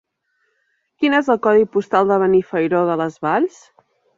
Quin és el codi postal de Benifairó de les Valls?